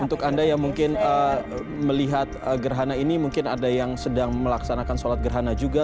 untuk anda yang mungkin melihat gerhana ini mungkin ada yang sedang melaksanakan sholat gerhana juga